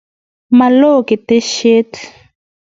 Ma loo keteshet